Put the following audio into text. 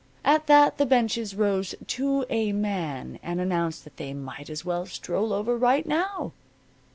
At that the benches rose to a man and announced that they might as well stroll over right now.